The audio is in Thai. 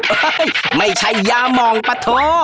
โอ้โฮไม่ใช่ยามองปัดโทร